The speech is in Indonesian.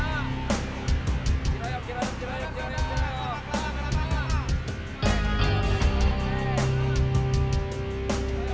wak fares kenapa kita sudah mulai ber pudding